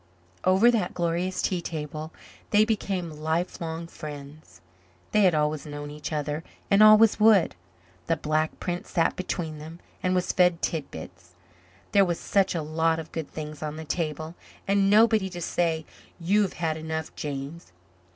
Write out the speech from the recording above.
Over that glorious tea table they became life long friends. They had always known each other and always would. The Black Prince sat between them and was fed tit bits. There was such a lot of good things on the table and nobody to say "You have had enough, James."